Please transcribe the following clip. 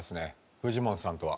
フジモンさんとは。